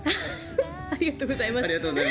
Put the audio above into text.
ありがとうございます。